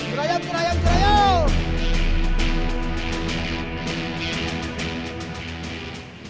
surayam surayam surayam